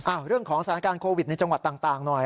เรื่องของสถานการณ์โควิดในจังหวัดต่างหน่อย